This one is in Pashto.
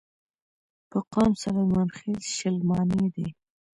پۀ قام سليمان خيل، شلمانے دے ۔